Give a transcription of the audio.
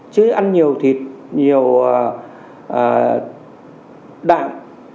chứ ăn nhiều thịt nhiều đạm